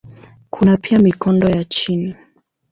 Kuna pia mikondo ya chini.